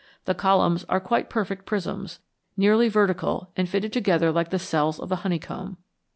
The columns are quite perfect prisms, nearly vertical and fitted together like the cells of a honeycomb.